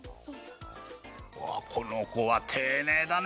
わあこのこはていねいだね